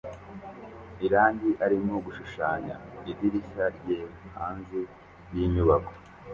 Irangi arimo gushushanya idirishya ryera hanze yinyubako